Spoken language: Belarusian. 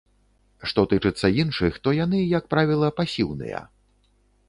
Што тычыцца іншых, то яны, як правіла, пасіўныя.